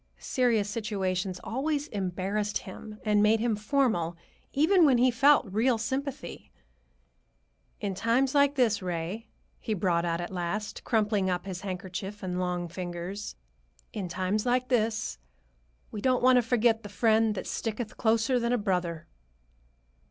Serious situations always embarrassed him and made him formal, even when he felt real sympathy. "In times like this, Ray," he brought out at last, crumpling up his handkerchief in his long fingers,—"in times like this, we don't want to forget the Friend that sticketh closer than a brother."